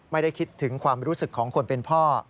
ไม่ได้คิดถึงความรู้สึกของคนเป็นพ่อ